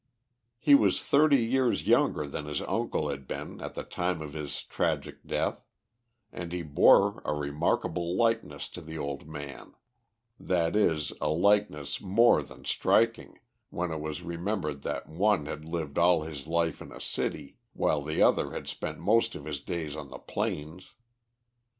He was thirty years younger than his uncle had been at the time of his tragic death, and he bore a remarkable likeness to the old man; that is, a likeness more than striking, when it was remembered that one had lived all his life in a city, while the other had spent most of his days on the plains.